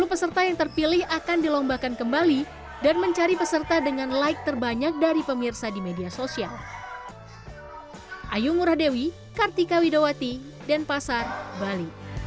sepuluh peserta yang terpilih akan dilombakan kembali dan mencari peserta dengan like terbanyak dari pemirsa di media sosial